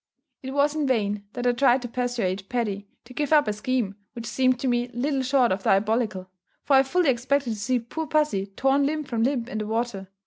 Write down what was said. It was in vain that I tried to persuade Paddy to give up a scheme which seemed to me little short of diabolical; for I fully expected to see poor pussy torn limb from limb in the water.